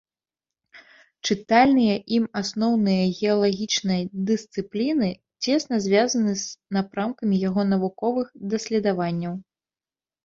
Чытальныя ім асноўныя геалагічныя дысцыпліны цесна звязаны з напрамкамі яго навуковых даследаванняў.